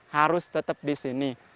harus tetap di sini